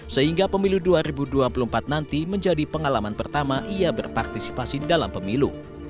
sehingga pemilu dua ribu dua puluh empat nanti menjadi pengalaman pertama ia berpartisipasi dalam pemilu